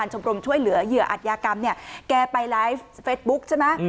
ชมรมช่วยเหลือเหยื่ออัตยากรรมเนี่ยแกไปไลฟ์เฟสบุ๊คใช่ไหม